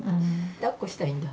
だっこしたいんだ。